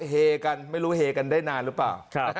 เฮกันไม่รู้เฮกันได้นานหรือเปล่า